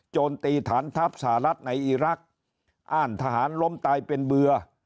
โจมตีฐานทัพสหรัฐในอีรักษ์อ้านทหารล้มตายเป็นเบื่อ